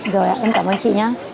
rồi ạ em cảm ơn chị nhá